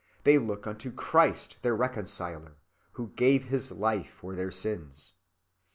They look unto Christ their reconciler, who gave his life for their sins.